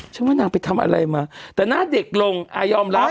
ว่านางไปทำอะไรมาแต่หน้าเด็กลงอายอมรับ